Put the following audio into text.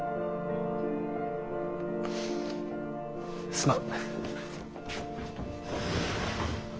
すまん。